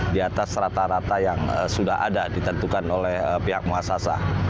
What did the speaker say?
di atas rata rata yang sudah ada ditentukan oleh pihak muasasa